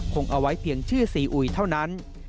คงเอาไว้เพียงชื่อซีอุยเท่านั้น